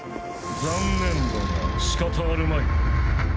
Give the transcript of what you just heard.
残念だがしかたあるまい。